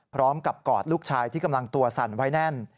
พร้อมกับกอดลูกชายที่กำลังตัวสั่นไว้แน่น